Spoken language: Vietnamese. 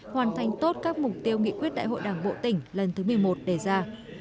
hoàn thành tốt các mục tiêu nghị quyết đại hội đảng bộ tỉnh lần thứ một mươi một đề ra